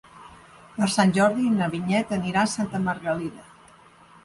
Per Sant Jordi na Vinyet anirà a Santa Margalida.